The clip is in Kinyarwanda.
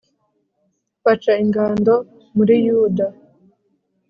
baca ingando muri yuda